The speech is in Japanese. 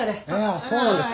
あっそうなんですか？